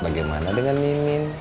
bagaimana dengan mimin